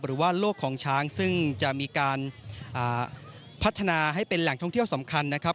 หรือว่าโลกของช้างซึ่งจะมีการพัฒนาให้เป็นแหล่งท่องเที่ยวสำคัญนะครับ